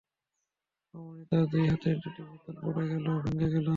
অমনি তাঁর দুই হাতের দুটি বোতল পড়ে গেল ও ভেঙ্গে গেল।